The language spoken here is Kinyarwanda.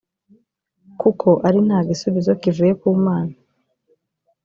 kuko ari nta gisubizo kivuye ku mana